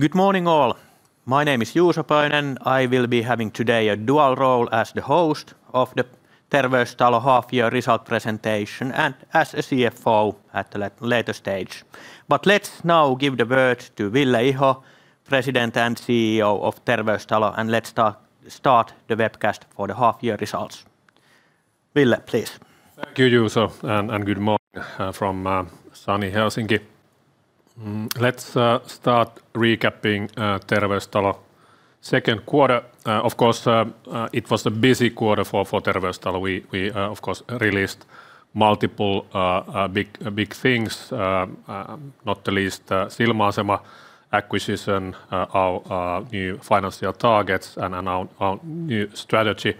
Good morning, all. My name is Juuso Pajunen. I will be having today a dual role as the host of the Terveystalo half year result presentation and as a CFO at a later stage. Let's now give the word to Ville Iho, President and CEO of Terveystalo, Let's start the webcast for the half year results. Ville, please. Thank you, Juuso, Good morning from sunny Helsinki. Let's start recapping Terveystalo second quarter. Of course, it was a busy quarter for Terveystalo. We released multiple big things, not the least Silmäasema acquisition, our new financial targets, Our new strategy.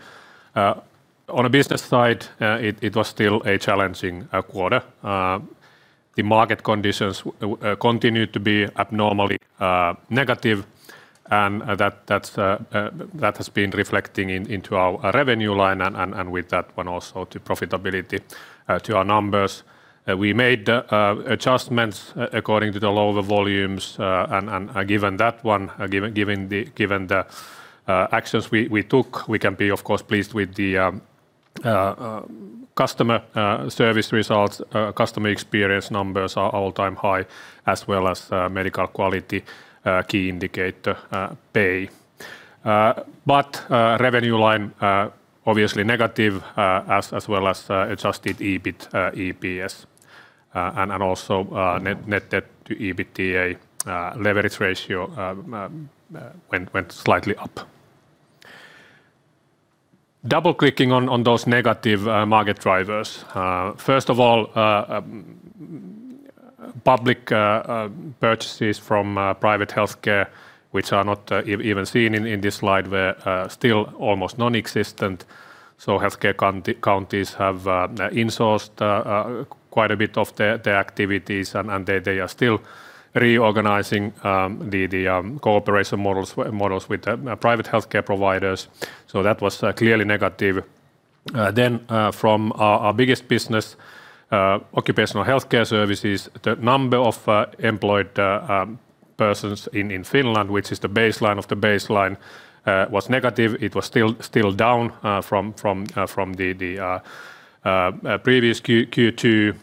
On a business side, it was still a challenging quarter. The market conditions continued to be abnormally negative, That has been reflecting into our revenue line With that one also to profitability to our numbers. We made adjustments according to the lower volumes, Given that one, given the actions we took, we can be of course pleased with the customer service results. Customer experience numbers are all-time high, as well as medical quality key indicator PEI. Revenue line obviously negative, as well as adjusted EBIT, EPS, also net debt to EBITDA leverage ratio went slightly up. Double-clicking on those negative market drivers. First of all, public purchases from private healthcare, which are not even seen in this slide, were still almost non-existent. Healthcare counties have insourced quite a bit of their activities, They are still reorganizing the cooperation models with the private healthcare providers. That was clearly negative. From our biggest business, occupational healthcare services, the number of employed persons in Finland, which is the baseline of the baseline, was negative. It was still down from the previous Q2.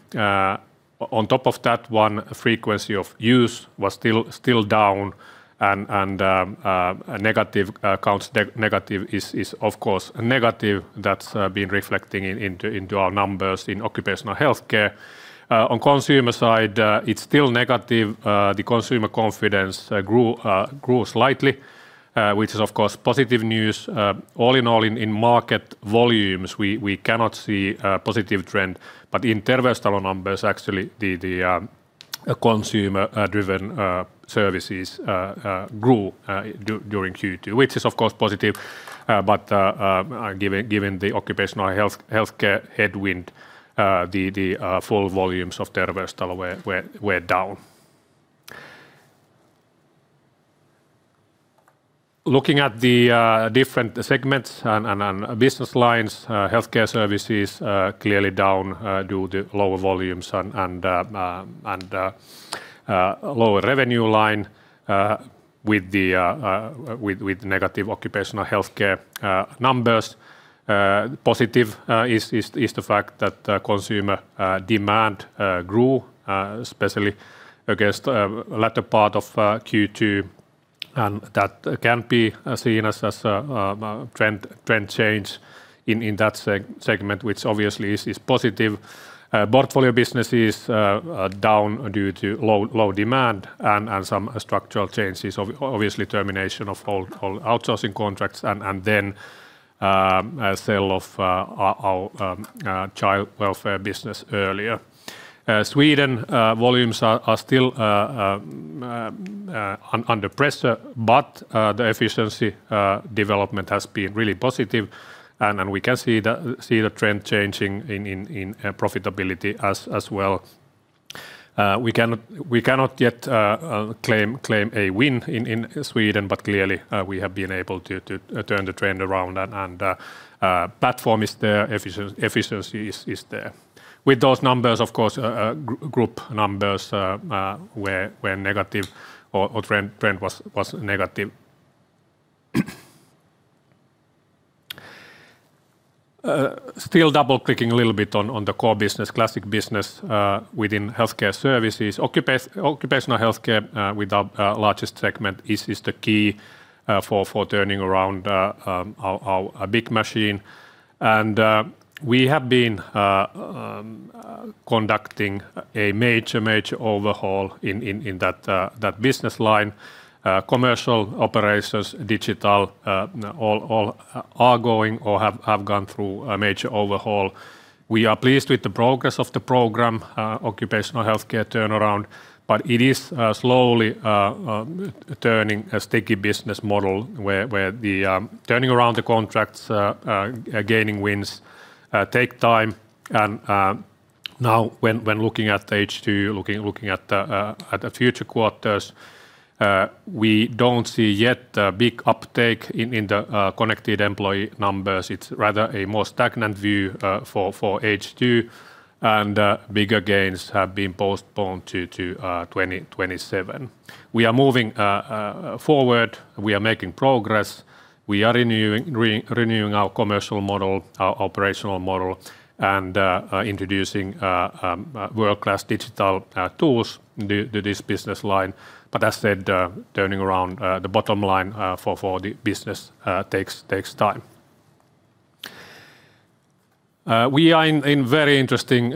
On top of that one, frequency of use was still down Negative counts negative is of course negative that's been reflecting into our numbers in occupational healthcare. On consumer side, it's still negative. The consumer confidence grew slightly, which is of course positive news. All in all, in market volumes, we cannot see a positive trend. In Terveystalo numbers, actually, the consumer-driven services grew during Q2, which is of course positive. Given the occupational healthcare headwind, the full volumes of Terveystalo were down. Looking at the different segments and business lines, healthcare services clearly down due to lower volumes and lower revenue line with negative occupational healthcare numbers. Positive is the fact that consumer demand grew, especially against latter part of Q2, That can be seen as a trend change in that segment, which obviously is positive. Portfolio businesses are down due to low demand and some structural changes, obviously termination of old outsourcing contracts Then sale of our child welfare business earlier. Sweden volumes are still under pressure, The efficiency development has been really positive, We can see the trend changing in profitability as well. We cannot yet claim a win in Sweden, but clearly we have been able to turn the trend around, and platform is there, efficiency is there. With those numbers, of course, group numbers were negative or trend was negative. Still double-clicking a little bit on the core business, classic business within healthcare services. Occupational healthcare with our largest segment is the key for turning around our big machine. We have been conducting a major overhaul in that business line. Commercial operations, digital, all are going or have gone through a major overhaul. We are pleased with the progress of the program, occupational healthcare turnaround, but it is slowly turning a sticky business model where the turning around the contracts, gaining wins take time. Now, when looking at H2, looking at the future quarters, we don't see yet a big uptake in the connected employee numbers. It's rather a more stagnant view for H2, and bigger gains have been postponed to 2027. We are moving forward. We are making progress. We are renewing our commercial model, our operational model, and introducing world-class digital tools to this business line. As said, turning around the bottom line for the business takes time. We are in very interesting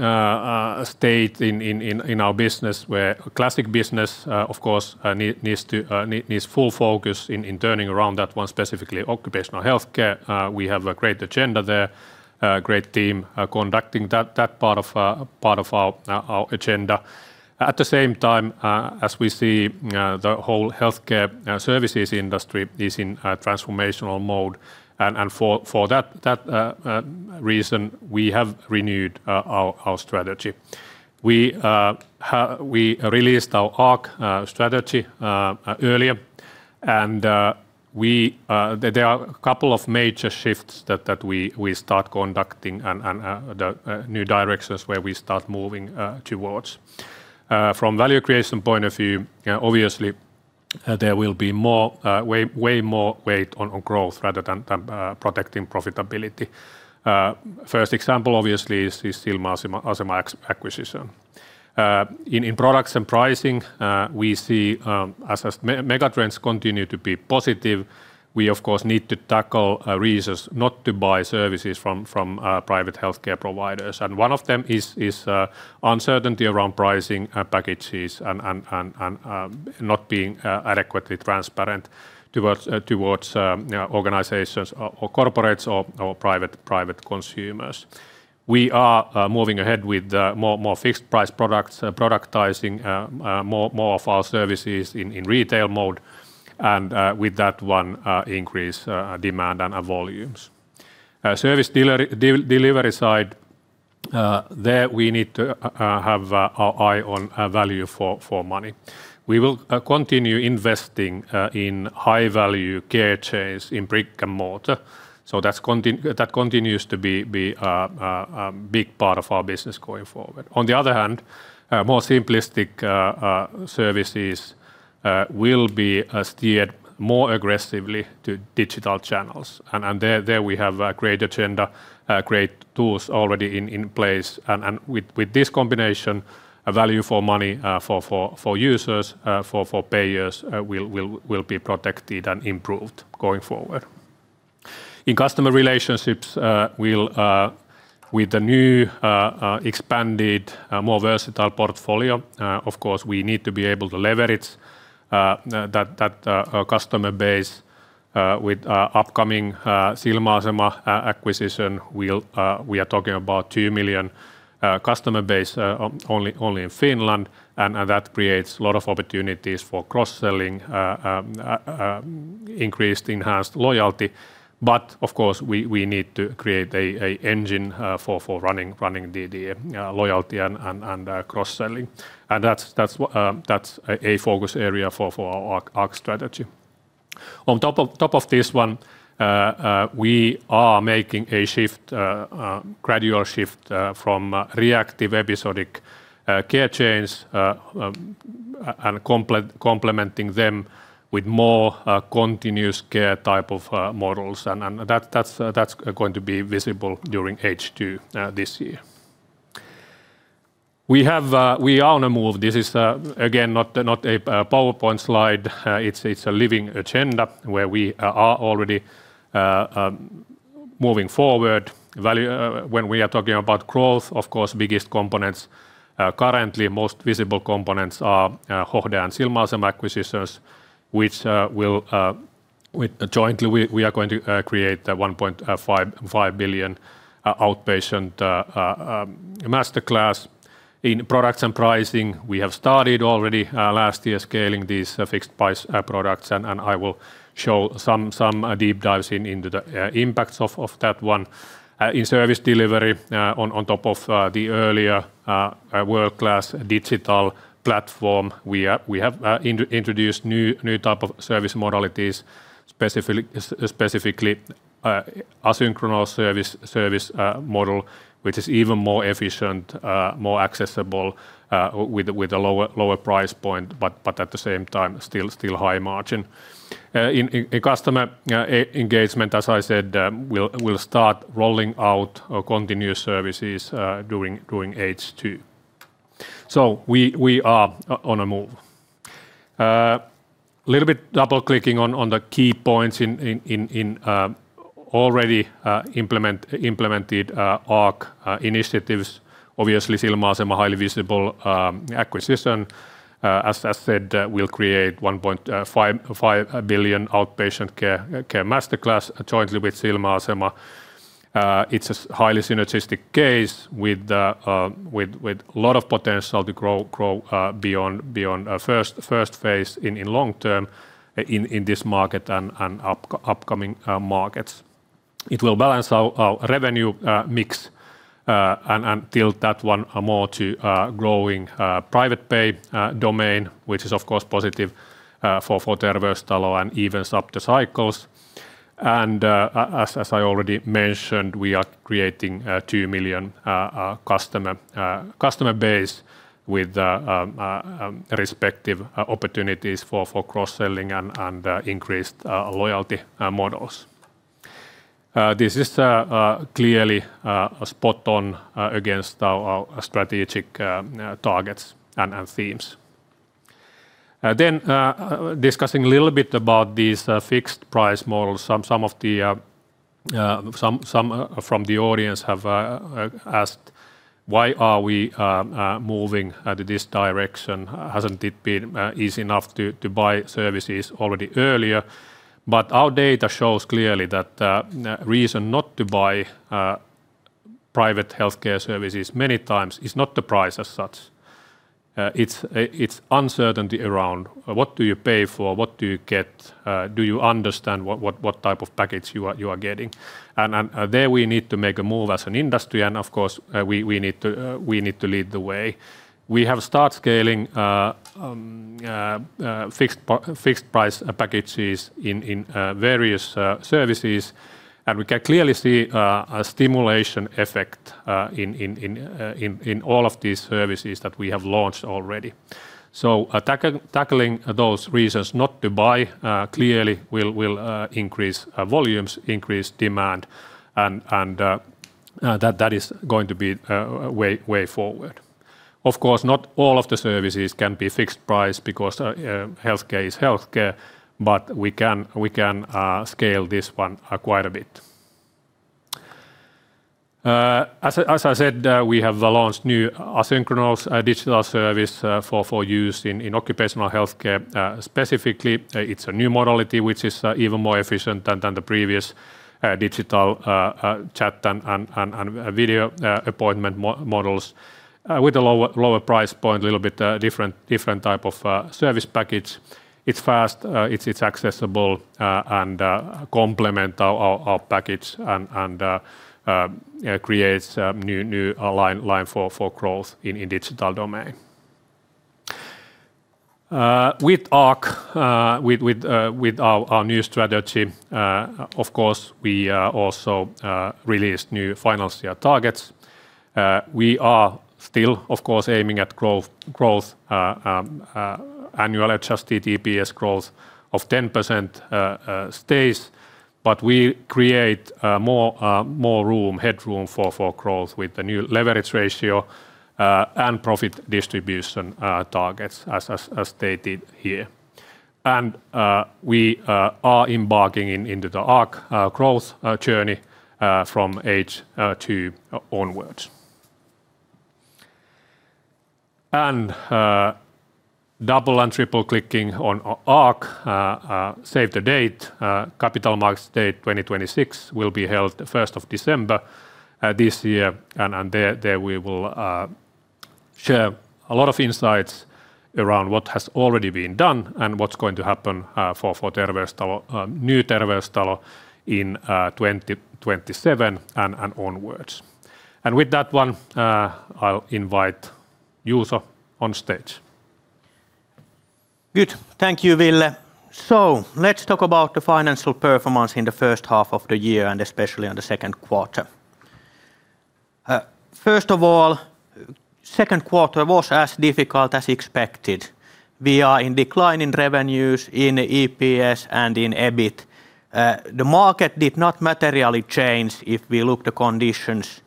state in our business where classic business, of course, needs full focus in turning around that one, specifically occupational healthcare. We have a great agenda there, great team conducting that part of our agenda. At the same time, as we see the whole healthcare services industry is in transformational mode. For that reason, we have renewed our strategy. We released our ARC strategy earlier, and there are a couple of major shifts that we start conducting and the new directions where we start moving towards. From value creation point of view, obviously, there will be way more weight on growth rather than protecting profitability. First example, obviously, is Silmäasema acquisition. In products and pricing, we see as mega trends continue to be positive, we, of course, need to tackle reasons not to buy services from private healthcare providers. One of them is uncertainty around pricing packages and not being adequately transparent towards organizations or corporates or private consumers. We are moving ahead with more fixed price products, productizing more of our services in retail mode, and with that one increase demand and volumes. Service delivery side, there we need to have our eye on value for money. We will continue investing in high-value care chains in brick and mortar. That continues to be a big part of our business going forward. On the other hand, more simplistic services will be steered more aggressively to digital channels. There we have a great agenda, great tools already in place. With this combination, a value for money for users, for payers will be protected and improved going forward. In customer relationships, with the new, expanded, more versatile portfolio, of course, we need to be able to leverage that customer base with upcoming Silmäasema acquisition. We are talking about two million customer base only in Finland, and that creates a lot of opportunities for cross-selling, increased enhanced loyalty. Of course, we need to create an engine for running the loyalty and cross-selling. That's a focus area for our ARC strategy. On top of this one, we are making a gradual shift from reactive episodic care chains, complementing them with more continuous care type of models, that's going to be visible during H2 this year. We are on a move. This is, again, not a PowerPoint slide. It's a living agenda where we are already moving forward. When we are talking about growth, of course, biggest components, currently most visible components are Hohde and Silmäasema acquisitions, which jointly we are going to create a 1.5 billion outpatient masterclass. In products and pricing, we have started already last year scaling these fixed price products. I will show some deep dives into the impacts of that one. In service delivery, on top of the earlier world-class digital platform, we have introduced new type of service modalities, specifically asynchronous service model, which is even more efficient, more accessible, with a lower price point, but at the same time, still high margin. In customer engagement, as I said, we'll start rolling out our continuous services during H2. We are on a move. Little bit double-clicking on the key points in already implemented ARC initiatives. Obviously, Silmäasema, highly visible acquisition. As said, we'll create 1.5 billion outpatient care masterclass jointly with Silmäasema. It's a highly synergistic case with a lot of potential to grow beyond first phase in long term in this market and upcoming markets. It will balance our revenue mix and tilt that one more to growing private pay domain, which is, of course, positive for Terveystalo and evens up the cycles. As I already mentioned, we are creating a two million customer base with respective opportunities for cross-selling and increased loyalty models. This is clearly spot on against our strategic targets and themes. Discussing a little bit about these fixed price models. Some from the audience have asked why are we moving to this direction? Hasn't it been easy enough to buy services already earlier? Our data shows clearly that reason not to buy private healthcare services many times is not the price as such. It's uncertainty around what do you pay for, what do you get, do you understand what type of package you are getting? There we need to make a move as an industry. Of course, we need to lead the way. We have start scaling fixed price packages in various services, we can clearly see a stimulation effect in all of these services that we have launched already. Tackling those reasons not to buy clearly will increase volumes, increase demand, that is going to be way forward. Of course, not all of the services can be fixed price because healthcare is healthcare, we can scale this one quite a bit. As I said, we have launched new asynchronous digital service for use in occupational healthcare specifically. It's a new modality which is even more efficient than the previous digital chat and video appointment models with a lower price point, a little bit different type of service package. It's fast, it's accessible and complement our package and creates new line for growth in digital domain. With ARC, with our new strategy, of course, we also released new financial targets. We are still, of course, aiming at growth. Annual adjusted EPS growth of 10% stays, but we create more headroom for growth with the new leverage ratio and profit distribution targets as stated here. We are embarking into the ARC growth journey from H2 onwards. Double and triple clicking on ARC, save the date. Capital Markets Day 2026 will be held the 1st of December this year. There we will share a lot of insights around what has already been done and what is going to happen for new Terveystalo in 2027 and onwards. With that one, I will invite Juuso on stage. Good. Thank you, Ville. Let's talk about the financial performance in the first half of the year and especially on the second quarter. First of all, second quarter was as difficult as expected. We are in decline in revenues, in EPS and in EBIT. The market did not materially change if we look the conditions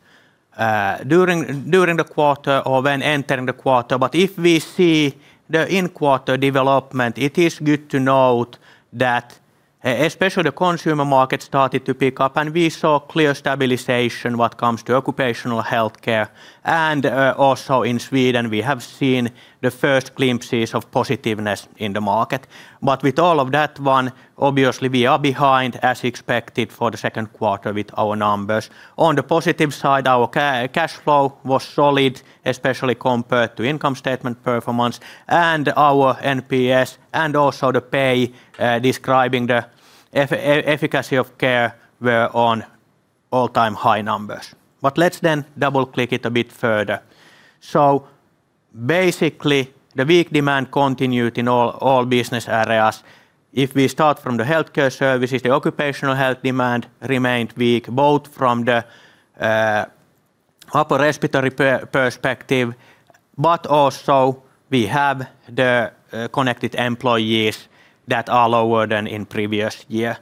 during the quarter or when entering the quarter. If we see the in-quarter development, it is good to note that especially the consumer market started to pick up, and we saw clear stabilization when it comes to occupational healthcare. Also in Sweden, we have seen the first glimpses of positiveness in the market. With all of that one, obviously we are behind as expected for the second quarter with our numbers. On the positive side, our cash flow was solid, especially compared to income statement performance and our NPS and also the PEI describing the efficacy of care were on all-time high numbers. Let's then double-click it a bit further. Basically, the weak demand continued in all business areas. If we start from the healthcare services, the occupational health demand remained weak, both from the upper respiratory perspective, but also we have the connected employees that are lower than in previous year.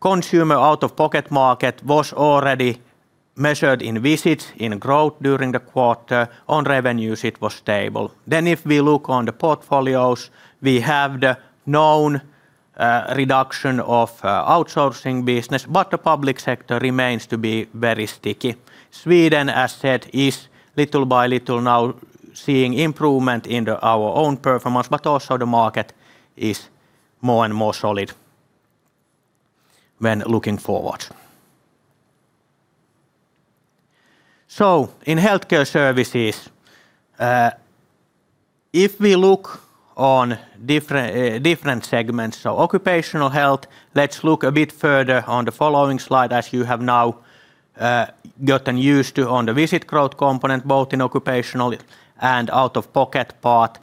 Consumer out-of-pocket market was already measured in visits, in growth during the quarter. On revenues, it was stable. If we look on the portfolios, we have the known reduction of outsourcing business, the public sector remains to be very sticky. Sweden, as said, is little by little now seeing improvement in our own performance, also the market is more and more solid when looking forward. In healthcare services, if we look on different segments, occupational health, let's look a bit further on the following slide, as you have now gotten used to on the visit growth component, both in occupational and out-of-pocket part.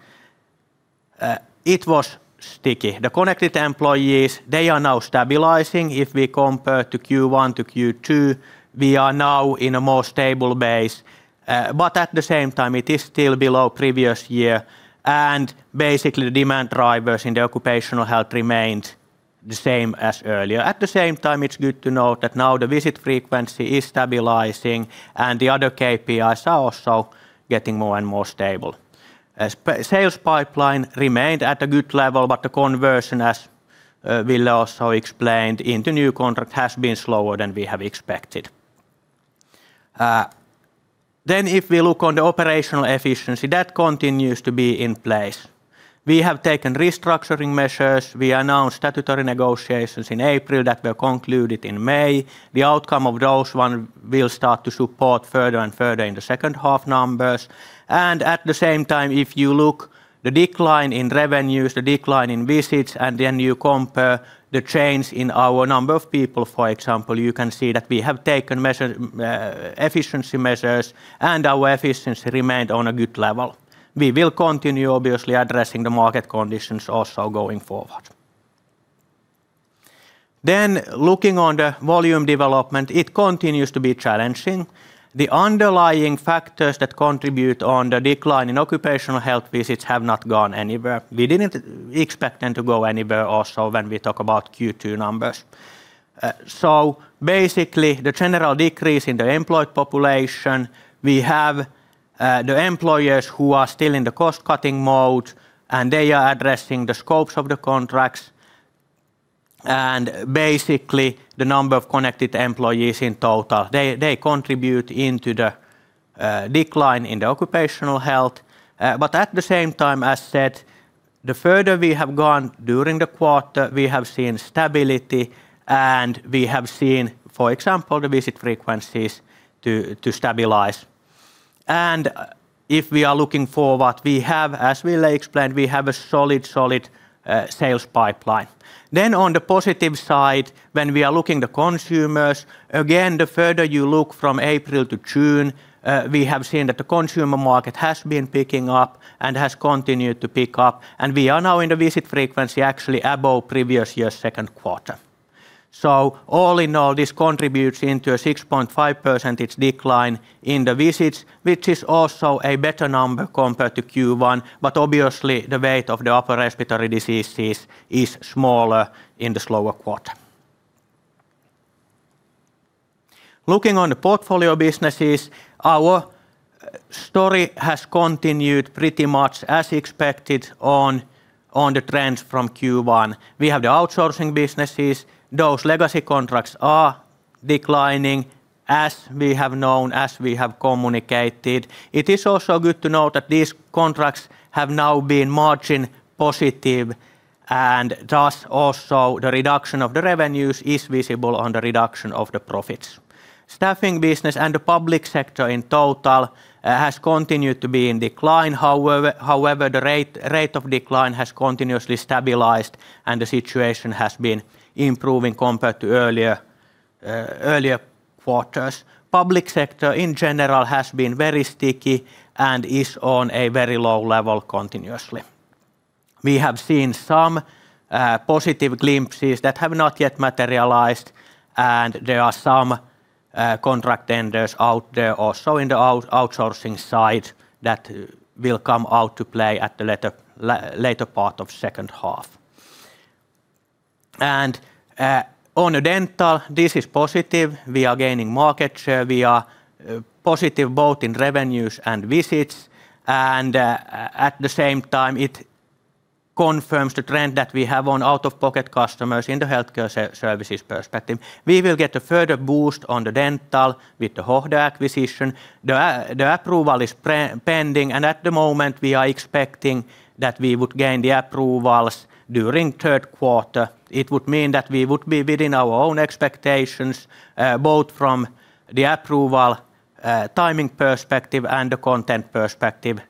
It was sticky. The connected employees are now stabilizing if we compare Q1 to Q2. We are now in a more stable base. At the same time, it is still below the previous year, basically, the demand drivers in the occupational health remained the same as earlier. At the same time, it is good to note that now the visit frequency is stabilizing, and the other KPIs are also getting more and more stable. Sales pipeline remained at a good level, but the conversion, as Ville also explained, into new contract has been slower than we have expected. If we look at the operational efficiency, that continues to be in place. We have taken restructuring measures. We announced statutory negotiations in April that were concluded in May. The outcome of those will start to support further and further in the second half numbers. At the same time, if you look at the decline in revenues, the decline in visits, and then you compare the change in our number of people, for example, you can see that we have taken efficiency measures, and our efficiency remained on a good level. We will continue, obviously, addressing the market conditions also going forward. Looking at the volume development, it continues to be challenging. The underlying factors that contribute to the decline in occupational health visits have not gone anywhere. We didn't expect them to go anywhere also when we talk about Q2 numbers. Basically, the general decrease in the employed population, we have the employers who are still in the cost-cutting mode, and they are addressing the scopes of the contracts. Basically, the number of connected employees in total, they contribute to the decline in the occupational health. But at the same time, as said, the further we have gone during the quarter, we have seen stability, and we have seen, for example, the visit frequencies to stabilize. If we are looking for what we have, as Ville explained, we have a solid sales pipeline. On the positive side, when we are looking at the consumers, again, the further you look from April to June, we have seen that the consumer market has been picking up and has continued to pick up, and we are now in the visit frequency actually above the previous year's second quarter. So all in all, this contributes to a 6.5% decline in the visits, which is also a better number compared to Q1. But obviously, the weight of the upper respiratory diseases is smaller in the slower quarter. Looking at the portfolio businesses, our story has continued pretty much as expected on the trends from Q1. We have the outsourcing businesses. Those legacy contracts are declining, as we have known, as we have communicated. It is also good to note that these contracts have now been margin positive, and thus also the reduction of the revenues is visible on the reduction of the profits. Staffing business and the public sector in total has continued to be in decline. However, the rate of decline has continuously stabilized, and the situation has been improving compared to earlier quarters. Public sector in general has been very sticky and is on a very low level continuously. We have seen some positive glimpses that have not yet materialized, and there are some contract tenders out there also in the outsourcing side that will come out to play at the later part of the second half. On dental, this is positive. We are gaining market share. We are positive both in revenues and visits, and at the same time, it confirms the trend that we have on out-of-pocket customers in the healthcare services perspective. We will get a further boost on the dental with the Hohde acquisition. The approval is pending, and at the moment, we are expecting that we would gain the approvals during the third quarter. It would mean that we would be within our own expectations, both from the approval timing perspective and the content perspective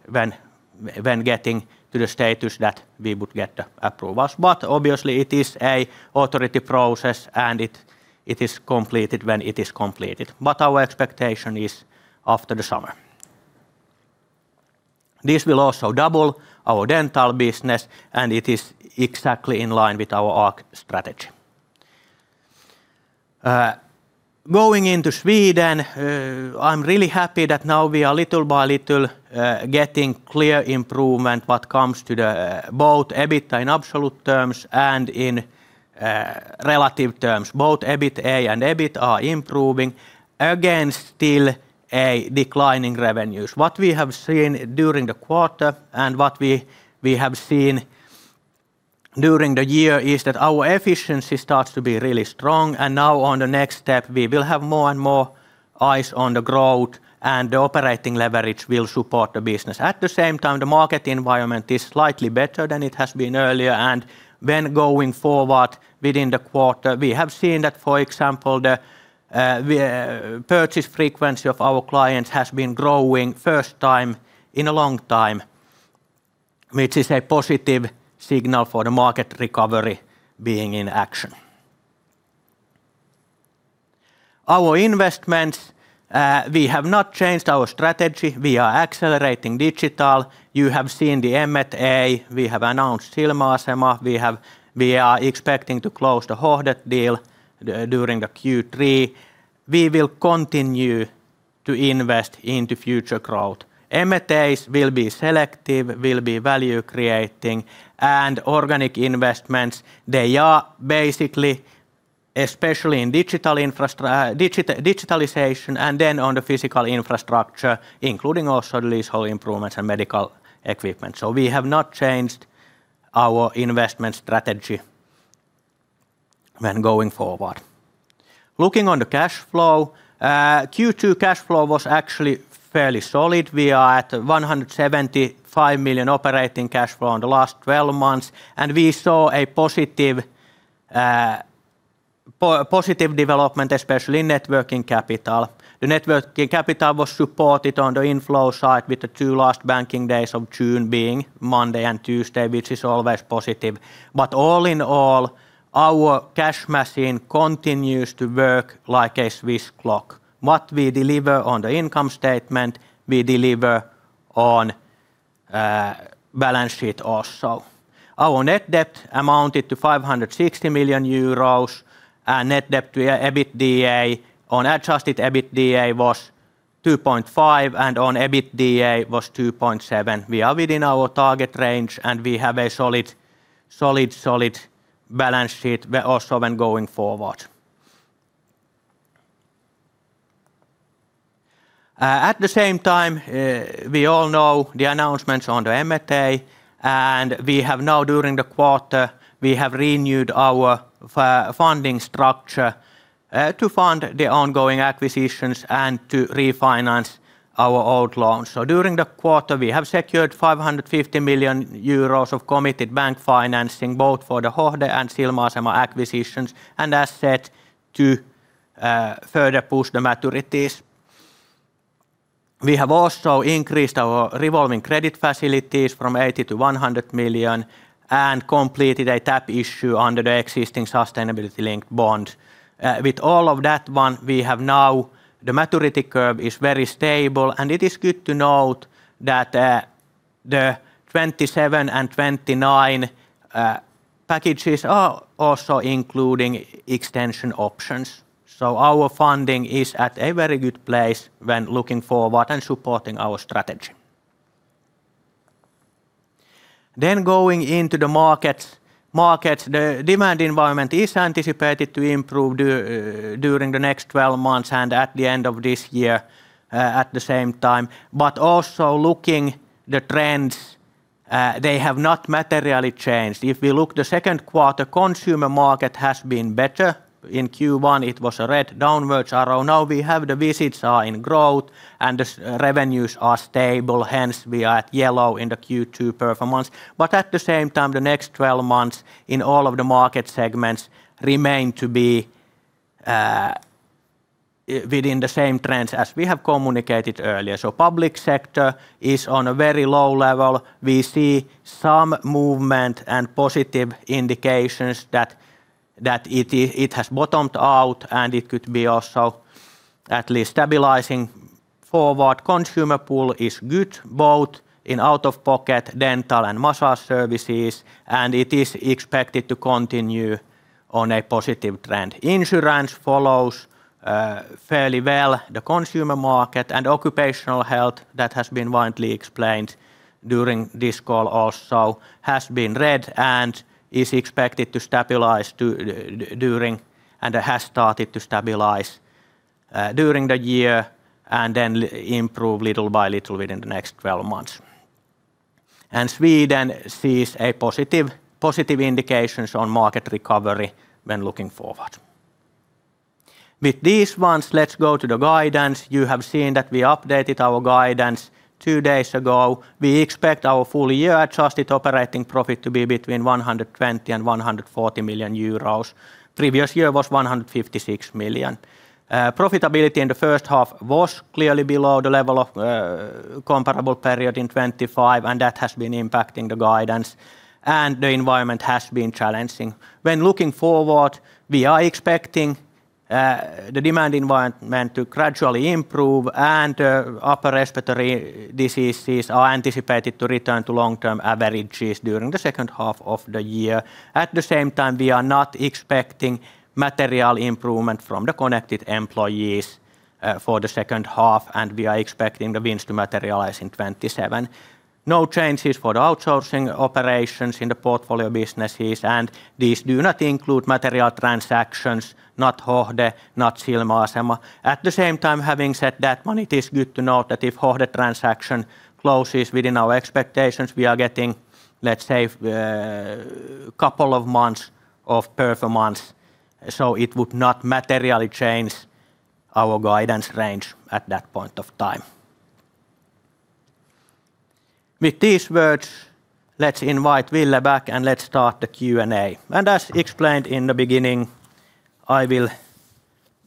when getting to the status that we would get the approvals. Obviously, it is an authority process, and it is completed when it is completed. Our expectation is after the summer. This will also double our dental business, and it is exactly in line with our ARC strategy. Going into Sweden, I'm really happy that now we are little by little getting clear improvement when it comes to both EBITDA in absolute terms and in relative terms. Both EBITDA and EBIT are improving. Again, still a decline in revenues. What we have seen during the quarter and what we have seen during the year is that our efficiency starts to be really strong. Now on the next step, we will have more and more eyes on the growth, and the operating leverage will support the business. At the same time, the market environment is slightly better than it has been earlier. When going forward within the quarter, we have seen that, for example, the purchase frequency of our clients has been growing for the first time in a long time. Which is a positive signal for the market recovery being in action. Our investments, we have not changed our strategy. We are accelerating digital. You have seen the M&A. We have announced Silmäasema. We are expecting to close the Hohde deal during Q3. We will continue to invest into future growth. M&As will be selective, will be value creating and organic investments. They are basically, especially in digitalization and then on the physical infrastructure, including also leasehold improvements and medical equipment. We have not changed our investment strategy when going forward. Looking on the cash flow, Q2 cash flow was actually fairly solid. We are at 175 million operating cash flow in the last 12 months, and we saw a positive development, especially in networking capital. The networking capital was supported on the inflow side with the two last banking days of June being Monday and Tuesday, which is always positive. All in all, our cash machine continues to work like a Swiss clock. What we deliver on the income statement, we deliver on balance sheet also. Our net debt amounted to 560 million euros and net debt to adjusted EBITDA was 2.5 and on EBITDA was 2.7. We are within our target range, and we have a solid balance sheet also when going forward. At the same time, we all know the announcements on the M&A, and we have now, during the quarter, renewed our funding structure to fund the ongoing acquisitions and to refinance our old loans. During the quarter, we have secured 550 million euros of committed bank financing, both for the Hohde and Silmäasema acquisitions and asset to further push the maturities. We have also increased our revolving credit facilities from 80 million to 100 million and completed a tap issue under the existing sustainability-linked bond. With all of that one, we have now the maturity curve is very stable, and it is good to note that the 2027 and 2029 packages are also including extension options. Our funding is at a very good place when looking forward and supporting our strategy. Going into the markets, the demand environment is anticipated to improve during the next 12 months and at the end of this year at the same time, but also looking the trends, they have not materially changed. If we look the second quarter, consumer market has been better. In Q1, it was a red downward arrow. Now we have the visits are in growth, and the revenues are stable. We are at yellow in the Q2 performance. At the same time, the next 12 months in all of the market segments remain to be within the same trends as we have communicated earlier. Public sector is on a very low level. We see some movement and positive indications that it has bottomed out, and it could be also at least stabilizing forward. Consumer pool is good, both in out-of-pocket dental and massage services, and it is expected to continue on a positive trend. Insurance follows fairly well the consumer market and occupational health that has been widely explained during this call also has been red and is expected to stabilize and has started to stabilize during the year and then improve little by little within the next 12 months. Sweden sees positive indications on market recovery when looking forward. With these ones, let's go to the guidance. You have seen that we updated our guidance two days ago. We expect our full-year adjusted operating profit to be between 120 million and 140 million euros. Previous year was 156 million. Profitability in the first half was clearly below the level of comparable period in 2025, and that has been impacting the guidance, and the environment has been challenging. When looking forward, we are expecting the demand environment to gradually improve and upper respiratory diseases are anticipated to return to long-term averages during the second half of the year. At the same time, we are not expecting material improvement from the connected employees for the second half, and we are expecting the wins to materialize in 2027. No changes for the outsourcing operations in the portfolio businesses, and these do not include material transactions, not Hohde, not Silmäasema. At the same time, having said that one, it is good to note that if Hohde transaction closes within our expectations, we are getting, let's say, a couple of months of performance. It would not materially change our guidance range at that point of time. With these words, let's invite Ville back, and let's start the Q&A. As explained in the beginning, I will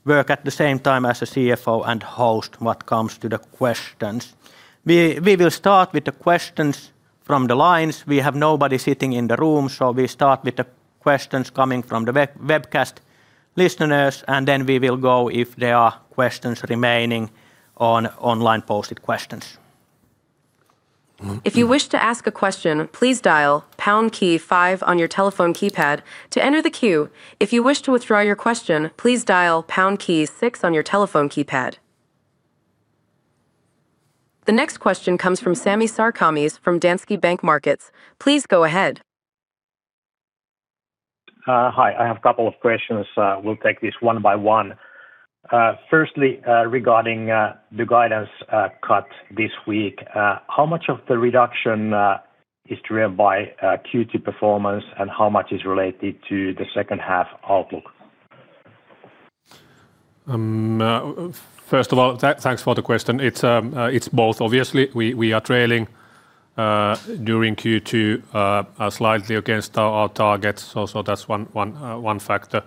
work at the same time as a CFO and host what comes to the questions. We will start with the questions from the lines. We have nobody sitting in the room, we start with the questions coming from the webcast listeners, and then we will go, if there are questions remaining, on online posted questions. If you wish to ask a question, please dial pound key five on your telephone keypad to enter the queue. If you wish to withdraw your question, please dial pound key six on your telephone keypad. The next question comes from Sami Sarkamies from Danske Bank Markets. Please go ahead. Hi. I have a couple of questions. We'll take this one by one. Firstly, regarding the guidance cut this week, how much of the reduction is driven by Q2 performance and how much is related to the second half outlook? First of all, thanks for the question. It's both. Obviously, we are trailing during Q2 slightly against our targets. That's one factor.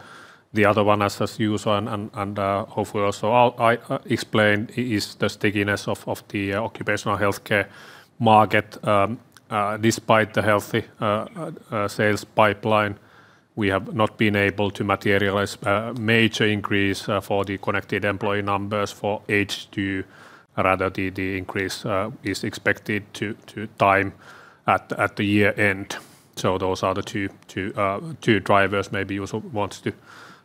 The other one, as Juuso and hopefully also I'll explain, is the stickiness of the occupational healthcare market. Despite the healthy sales pipeline, we have not been able to materialize a major increase for the connected employee numbers for H2. Rather, the increase is expected to time at the year-end. Those are the two drivers. Maybe Juuso wants to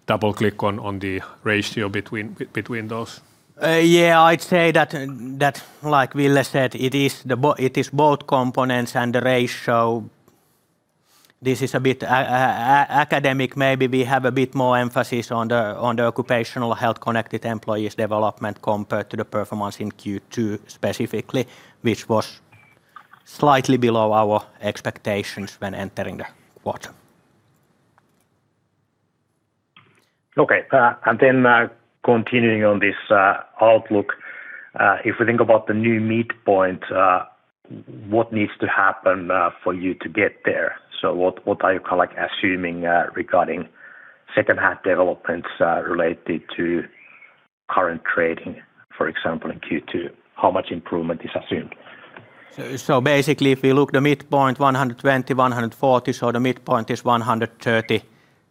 double-click on the ratio between those. Yeah, I'd say that, like Ville said, it is both components and the ratio. This is a bit academic, maybe we have a bit more emphasis on the occupational health-connected employees' development compared to the performance in Q2 specifically, which was slightly below our expectations when entering the quarter. Okay. Continuing on this outlook, if we think about the new midpoint, what needs to happen for you to get there? What are you assuming regarding second half developments related to current trading, for example, in Q2? How much improvement is assumed? Basically, if we look the midpoint, 120-140 million, the midpoint is 130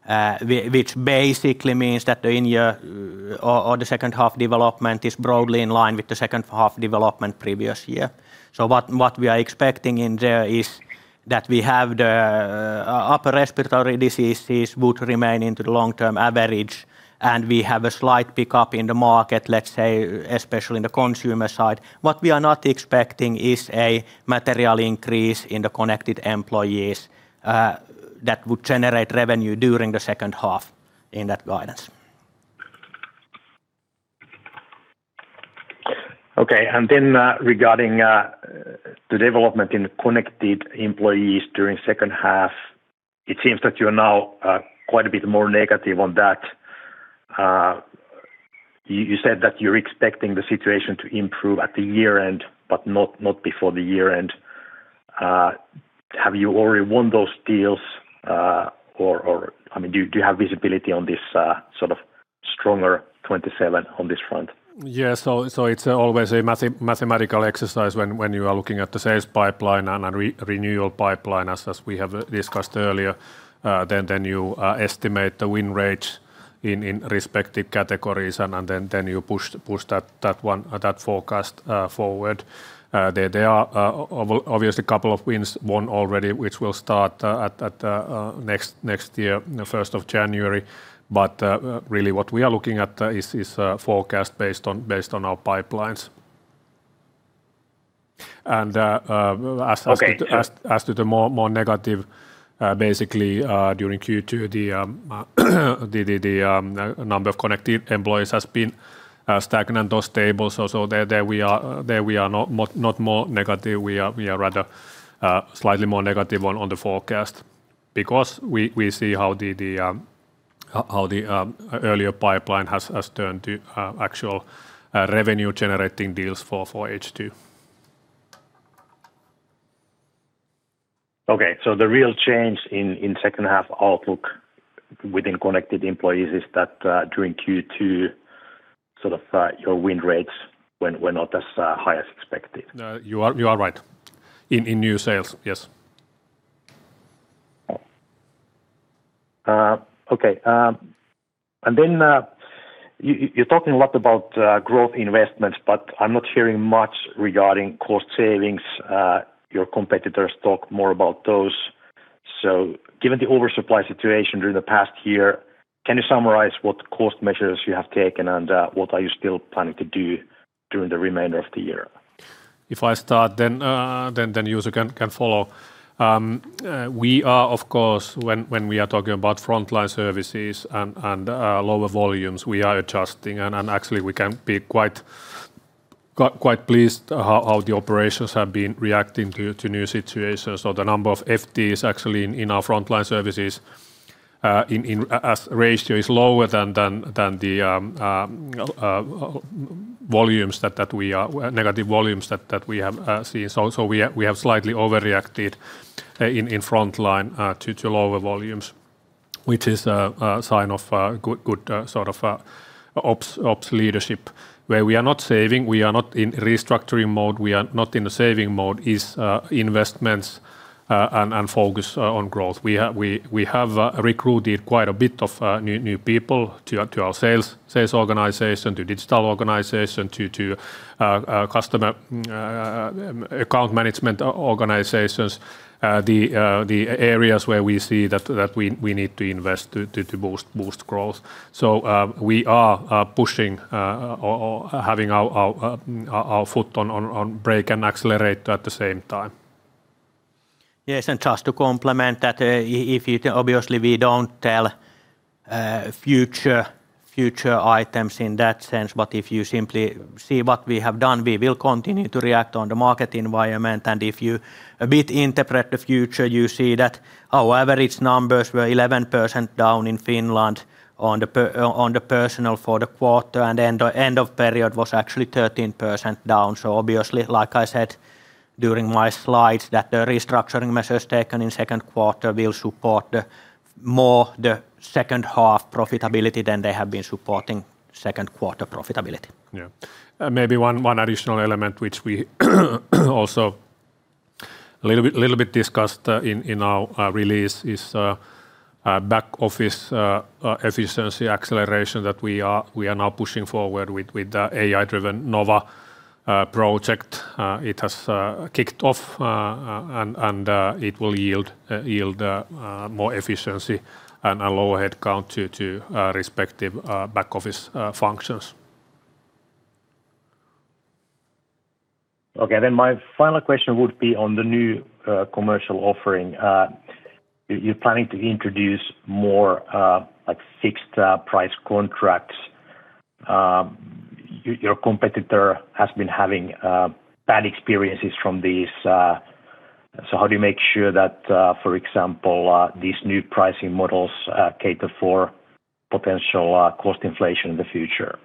million, which basically means that the second half development is broadly in line with the second half development previous year. What we are expecting in there is that we have the upper respiratory diseases would remain into the long-term average, and we have a slight pickup in the market, let's say especially in the consumer side. What we are not expecting is a material increase in the connected employees that would generate revenue during the second half in that guidance. Okay. Regarding the development in connected employees during second half, it seems that you are now quite a bit more negative on that. You said that you're expecting the situation to improve at the year-end, but not before the year-end. Have you already won those deals? Do you have visibility on this stronger 2027 on this front? It's always a mathematical exercise when you are looking at the sales pipeline and renewal pipeline, as we have discussed earlier. You estimate the win rates in respective categories, you push that forecast forward. There are obviously a couple of wins won already, which will start at next year, 1st of January. Really what we are looking at is forecast based on our pipelines. As to the more negative, basically, during Q2, the number of connected employees has been stagnant or stable. There we are not more negative. We are rather slightly more negative on the forecast because we see how the earlier pipeline has turned to actual revenue-generating deals for H2. Okay. The real change in second half outlook within connected employees is that during Q2, your win rates were not as high as expected. You are right. In new sales, yes. Okay. You're talking a lot about growth investments, I'm not hearing much regarding cost savings. Your competitors talk more about those. Given the oversupply situation during the past year, can you summarize what cost measures you have taken and what are you still planning to do during the remainder of the year? If I start, then Juuso can follow. We are, of course, when we are talking about frontline services and lower volumes, we are adjusting, and actually we can be quite pleased how the operations have been reacting to new situations. The number of FTEs actually in our frontline services as a ratio is lower than the negative volumes that we have seen. We have slightly overreacted in frontline to lower volumes, which is a sign of good ops leadership. Where we are not saving, we are not in restructuring mode, we are not in a saving mode is investments and focus on growth. We have recruited quite a bit of new people to our sales organization, to digital organization, to customer account management organizations, the areas where we see that we need to invest to boost growth. We are pushing or having our foot on brake and accelerator at the same time. Just to complement that, obviously we don't tell future items in that sense, but if you simply see what we have done, we will continue to react on the market environment. If you a bit interpret the future, you see that our average numbers were 11% down in Finland on the personal for the quarter, and end of period was actually 13% down. Obviously, like I said during my slides, that the restructuring measures taken in second quarter will support more the second half profitability than they have been supporting second quarter profitability. Maybe one additional element which we also a little bit discussed in our release is back office efficiency acceleration that we are now pushing forward with the AI-driven Nova project. It has kicked off, and it will yield more efficiency and a lower headcount to respective back office functions. My final question would be on the new commercial offering. You're planning to introduce more fixed price contracts. Your competitor has been having bad experiences from these. How do you make sure that, for example, these new pricing models cater for potential cost inflation in the future?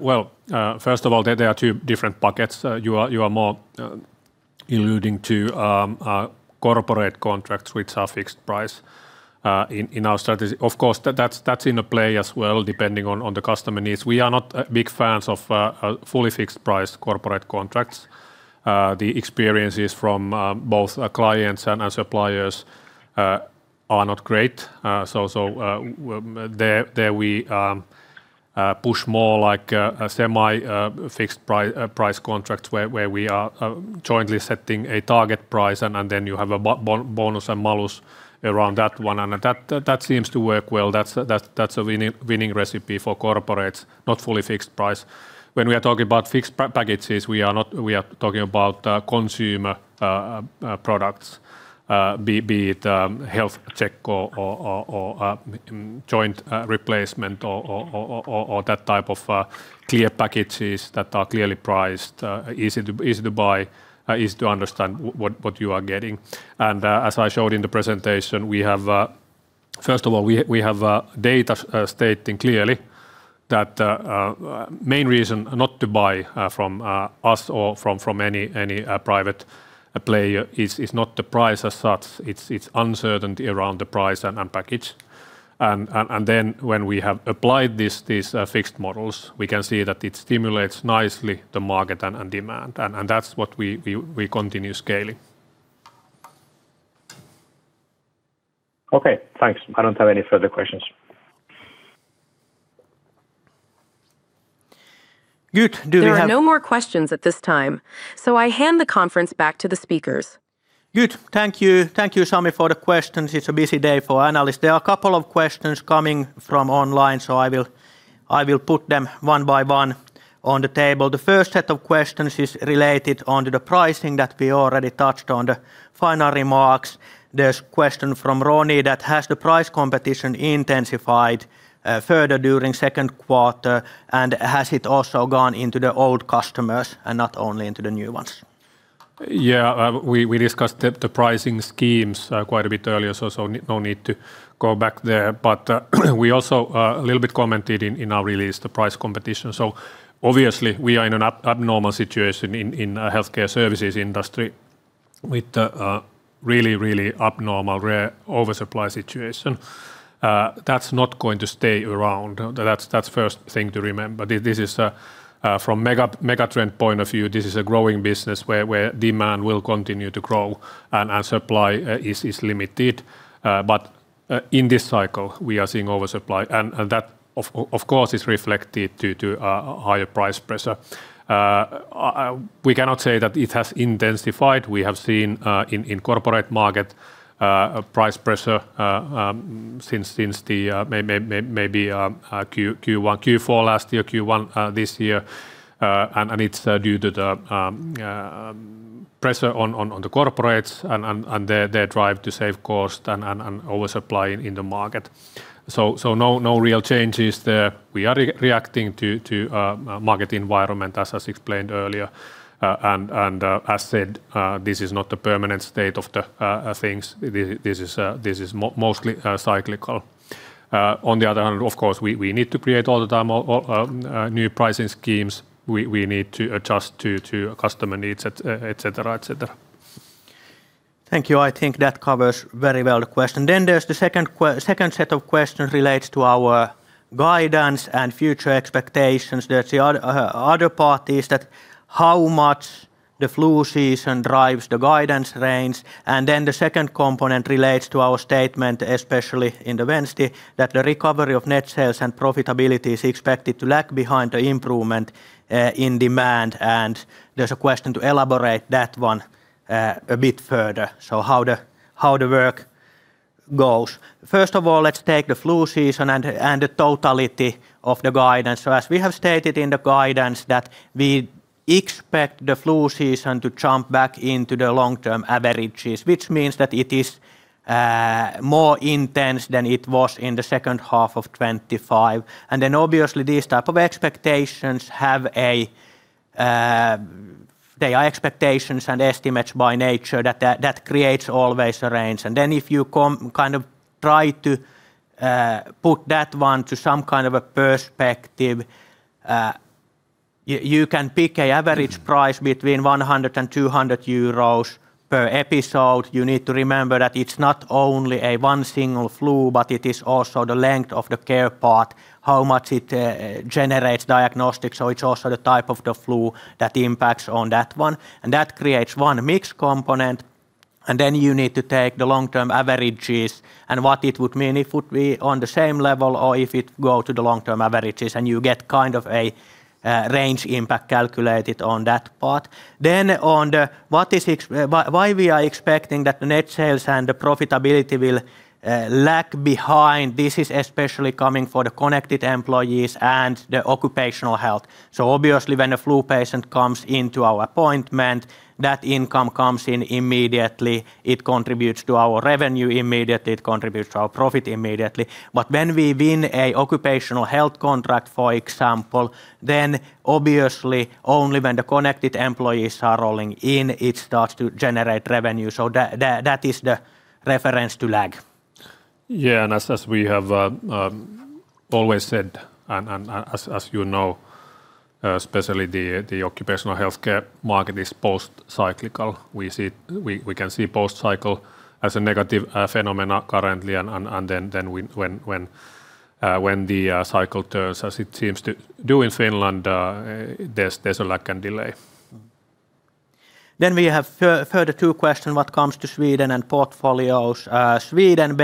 Well, first of all, there are two different buckets. You are more alluding to corporate contracts which are fixed price in our strategy. Of course, that's in a play as well, depending on the customer needs. We are not big fans of fully fixed price corporate contracts. The experiences from both clients and our suppliers are not great. There we push more a semi-fixed price contracts where we are jointly setting a target price, and then you have a bonus and malus around that one, and that seems to work well. That's a winning recipe for corporates, not fully fixed price. When we are talking about fixed packages, we are talking about consumer products. Be it health check or joint replacement or that type of clear packages that are clearly priced, easy to buy, easy to understand what you are getting. As I showed in the presentation, first of all, we have data stating clearly that main reason not to buy from us or from any private player is not the price as such, it's uncertainty around the price and package. Then when we have applied these fixed models, we can see that it stimulates nicely the market and demand. That's what we continue scaling. Okay, thanks. I don't have any further questions. Good. Do we have- There are no more questions at this time, so I hand the conference back to the speakers. Good. Thank you. Thank you, Sami, for the questions. It is a busy day for analysts. There are a couple of questions coming from online, so I will put them one by one on the table. The first set of questions is related on to the pricing that we already touched on the final remarks. There is a question from Ronnie that, "Has the price competition intensified further during second quarter, and has it also gone into the old customers and not only into the new ones? We discussed the pricing schemes quite a bit earlier, no need to go back there. We also a little bit commented in our release, the price competition. Obviously, we are in an abnormal situation in healthcare services industry with a really abnormal, rare oversupply situation. That is not going to stay around. That is first thing to remember. From mega trend point of view, this is a growing business where demand will continue to grow and supply is limited. In this cycle, we are seeing oversupply, and that, of course, is reflected to higher price pressure. We cannot say that it has intensified. We have seen in corporate market price pressure since maybe Q4 last year, Q1 this year. It is due to the pressure on the corporates and their drive to save cost and oversupply in the market. No real changes there. We are reacting to market environment as explained earlier. As said, this is not a permanent state of the things. This is mostly cyclical. On the other hand, of course, we need to create new pricing schemes all the time. We need to adjust to customer needs, et cetera. Thank you. I think that covers the question very well. There's the second set of questions relating to our guidance and future expectations. The other part is how much the flu season drives the guidance range. The second component relates to our statement, especially in the event, that the recovery of net sales and profitability is expected to lag behind the improvement in demand. There's a question to elaborate on that one a bit further. How the work goes. First of all, let's take the flu season and the totality of the guidance. As we have stated in the guidance, we expect the flu season to jump back into the long-term averages, which means that it is more intense than it was in the second half of 2025. Obviously, these types of expectations are expectations and estimates by nature that always create a range. If you try to put that one into some kind of perspective, you can pick an average price between 100 and 200 euros per episode. You need to remember that it's not only one single flu, but it is also the length of the care part, how much it generates diagnostics. It's also the type of flu that impacts that one, and that creates one mixed component. You need to take the long-term averages and what it would mean if it were on the same level, or if it goes to the long-term averages, and you get a range impact calculated on that part. On why we are expecting that the net sales and the profitability will lag behind, this is especially coming for the connected employees and the occupational health. Obviously, when a flu patient comes into our appointment, that income comes in immediately. It contributes to our revenue immediately. It contributes to our profit immediately. When we win an occupational health contract, for example, then obviously only when the connected employees are rolling in, it starts to generate revenue. That is the reference to lag. Yes. As we have always said, and as you know, especially the occupational health care market is post-cyclical. We can see post cycle as a negative phenomenon currently, when the cycle turns, as it seems to do in Finland, there's a lag and delay. We have further two questions when it comes to Sweden and portfolios. Sweden,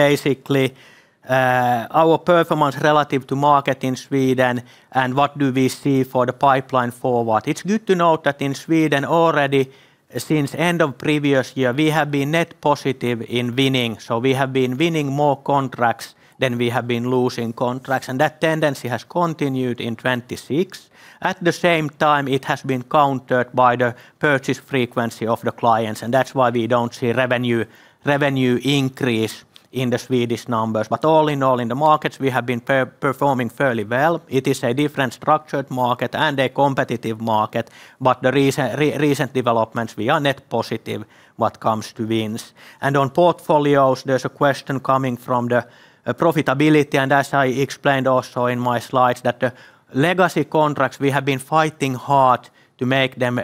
our performance relative to market in Sweden and what do we see for the pipeline forward. It's good to note that in Sweden already, since the end of the previous year, we have been net positive in winning. We have been winning more contracts than we have been losing contracts, and that tendency has continued in 2026. At the same time, it has been countered by the purchase frequency of the clients, and that's why we don't see revenue increase in the Swedish numbers. All in all, in the markets, we have been performing fairly well. It is a different structured market and a competitive market. But the recent developments, we are net positive when it comes to wins. On portfolios, there's a question coming from the profitability, and as I explained also in my slides, that the legacy contracts we have been fighting hard to make them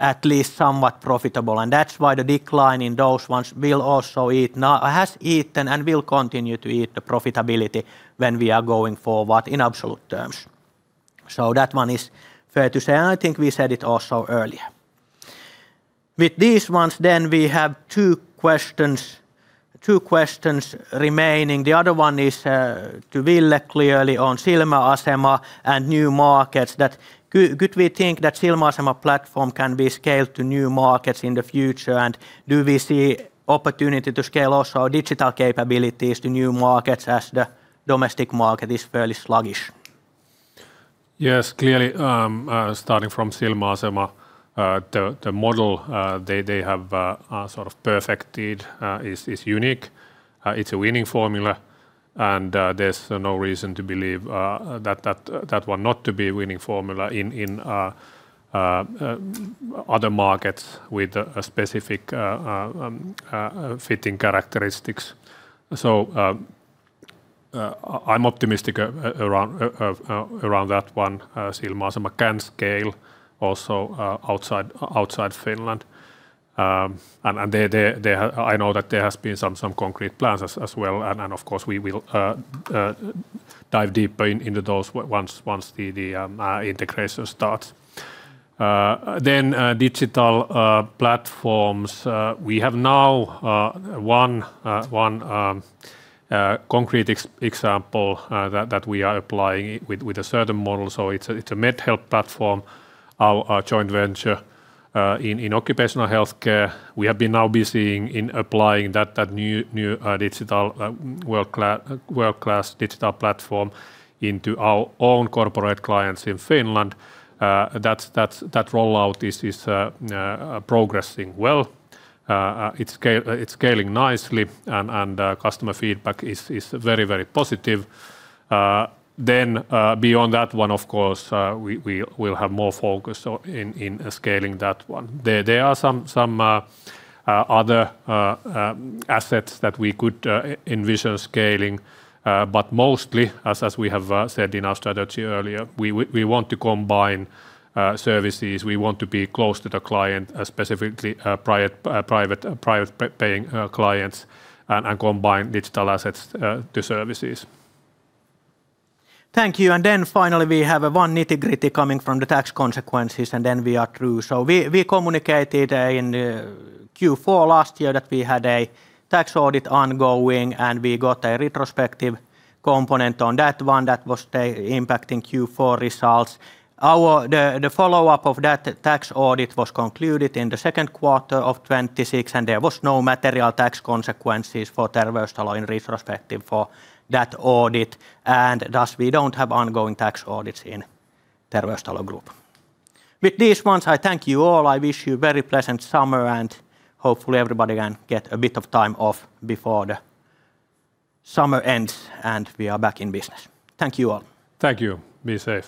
at least somewhat profitable, and that's why the decline in those ones has eaten and will continue to eat the profitability when we are going forward in absolute terms. That one is fair to say, and I think we said it also earlier. With these ones, we have two questions remaining. The other one is to Ville, clearly, on Silmäasema and new markets. Could we think that Silmäasema platform can be scaled to new markets in the future? Do we see opportunity to scale also our digital capabilities to new markets as the domestic market is fairly sluggish? Clearly, starting from Silmäasema, the model they have perfected is unique. It's a winning formula, and there's no reason to believe that one not to be a winning formula in other markets with specific fitting characteristics. I'm optimistic around that one. Silmäasema can scale also outside Finland. I know that there have been some concrete plans as well, and of course, we will dive deeper into those once the integration starts. Digital platforms. We have now one concrete example that we are applying with a certain model. It's a MedHelp platform, our joint venture in occupational health care. We have now been busy applying that new world-class digital platform to our own corporate clients in Finland. That rollout is progressing well. It's scaling nicely, and customer feedback is very positive. Beyond that one, of course, we will have more focus in scaling that one. There are some other assets that we could envision scaling. Mostly, as we have said in our strategy earlier, we want to combine services. We want to be close to the client, specifically private paying clients, and combine digital assets to services. Thank you. Finally, we have one nitty-gritty coming from the tax consequences, and then we are through. We communicated in Q4 last year that we had a tax audit ongoing, and we got a retrospective component on that one that was impacting Q4 results. The follow-up of that tax audit was concluded in the second quarter of 2026, and there were no material tax consequences for Terveystalo in retrospective for that audit. Thus, we don't have ongoing tax audits in Terveystalo Group. With these ones, I thank you all. I wish you a very pleasant summer, and hopefully, everybody can get a bit of time off before the summer ends and we are back in business. Thank you all. Thank you. Be safe